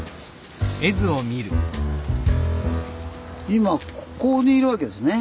今ここにいるわけですね。